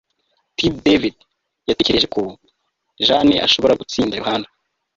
T David yatekereje ko Jane ashobora gutsinda Yohana